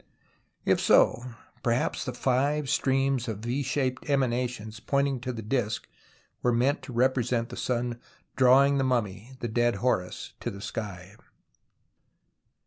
If so, perhaps the five streams of V shaped emanations pointing to the disc were meant to represent the sun drawing the mummy, tlie dead Horns, to the sky.